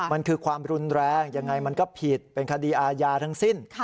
มันคือความรุนแรงยังไงมันก็ผิดเป็นคดีอาญาทั้งสิ้น